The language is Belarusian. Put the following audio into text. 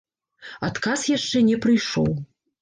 Адказ яшчэ не прыйшоў.